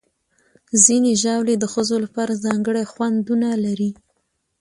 ځینې ژاولې د ښځو لپاره ځانګړي خوندونه لري.